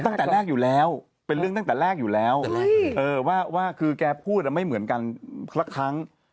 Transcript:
ตั้งแต่แรกอยู่แล้วเป็นเรื่องตั้งแต่แรกอยู่แล้วว่าคือแกพูดไม่เหมือนกันสักครั้ง